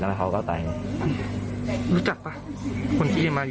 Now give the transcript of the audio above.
ตรงนี้คือหน้าซอยและในภาพกล้องอุงจรปิดแต่ก่อนหน้านี้เข้าไปในซอย